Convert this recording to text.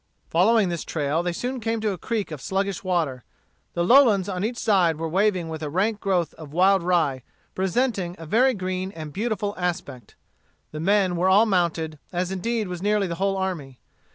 Following this trail, they soon came to a creek of sluggish water. The lowlands on each side were waving with a rank growth of wild rye, presenting a very green and beautiful aspect. The men were all mounted, as indeed was nearly the whole army.